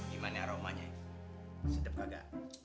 gimana aromanya sedap agak